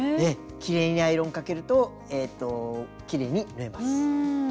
きれいにアイロンかけるときれいに縫えます。